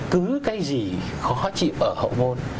cứ cái gì khó chịu ở hậu bệnh